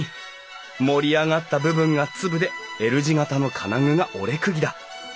盛り上がった部分がツブでＬ字形の金具が折釘だ。